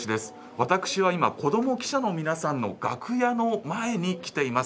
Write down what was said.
私は今子ども記者の皆さんの楽屋の前に来ています。